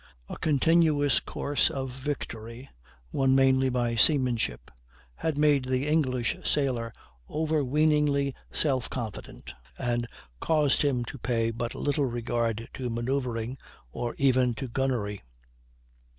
A continuous course of victory, won mainly by seamanship, had made the English sailor overweeningly self confident, and caused him to pay but little regard to manoeuvring or even to gunnery.